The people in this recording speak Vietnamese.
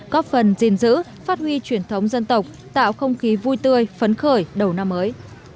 góp phần gìn giữ phát huy truyền thống dân tộc tạo không khí vui tươi phấn khởi đầu năm mới